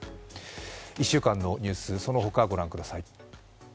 １週間のニュース、そのほかご覧ください。